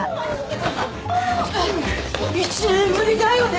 １年ぶりだよね？